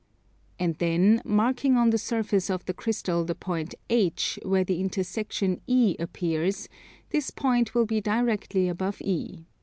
And then, marking on the surface of the Crystal the point H where the intersection E appears, this point will be directly above E.